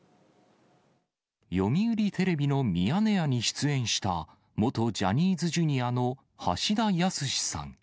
読売テレビのミヤネ屋に出演した元ジャニーズＪｒ．の橋田康さん。